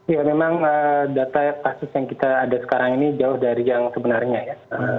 ya memang data kasus yang kita ada sekarang ini jauh dari yang sebenarnya ya